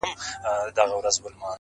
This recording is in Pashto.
تۀ چرته پاتې شوې اشنا! زۀ چرته ورسېدم